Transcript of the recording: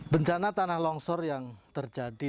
bencana tanah longsor yang terjadi